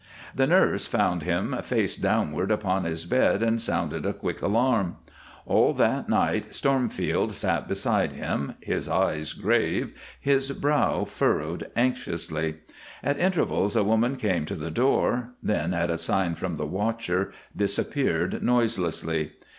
The nurse found him face downward upon his bed and sounded a quick alarm. All that night Stormfield sat beside him, his eyes grave, his brow furrowed anxiously. At intervals a woman came to the door, then at a sign from the watcher disappeared noiselessly.